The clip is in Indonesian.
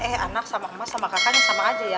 eh anak sama emak sama kakaknya sama aja ya